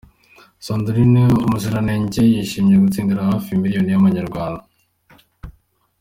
Sandrine Umuziranenge yishimiye gutsindira hafi Miliyoni y'amanyarwanda.